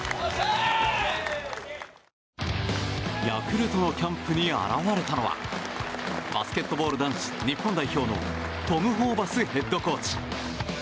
ヤクルトのキャンプに現れたのはバスケットボール男子日本代表のトム・ホーバスヘッドコーチ。